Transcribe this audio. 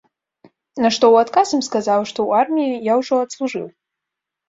На што ў адказ ім сказаў, што ў арміі я ўжо адслужыў.